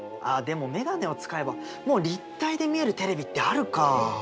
あでも眼鏡を使えばもう立体で見えるテレビってあるか。